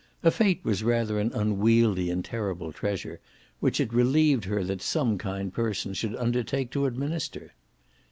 A fate was rather an unwieldy and terrible treasure, which it relieved her that some kind person should undertake to administer.